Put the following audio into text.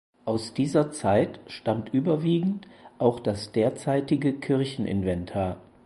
Aus dieser Zeit stammt überwiegend auch das derzeitige Kircheninventar.